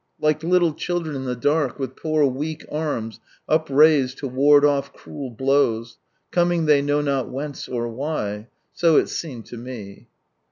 Like little children in the dark, with poor weak arms upraised to ward off cruel blows, coming they know not whence or why ; so it seemed to me.